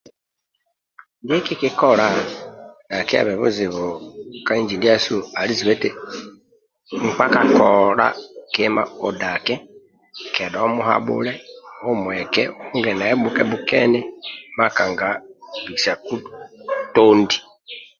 Ndie kikikola dhakiabe buzibu ka inji ndiasu ali zibe eti nkpa ka kakola kima odake kedha omuhabhule omueke o onge naye bhukebhukeni makanga bisaku tondi